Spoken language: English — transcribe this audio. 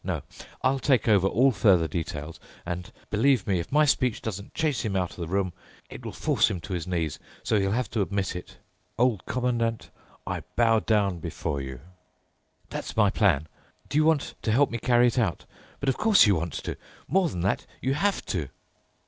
No. I'll take over all further details, and, believe me, if my speech doesn't chase him out of the room, it will force him to his knees, so he'll have to admit it: 'Old Commandant, I bow down before you.' That's my plan. Do you want to help me carry it out? But, of course, you want to. More than that—you have to."